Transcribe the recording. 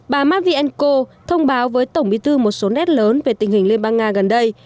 bà matvienko thông báo với tổng bí thư một số nét lớn về tình hình liên bang nga gần đây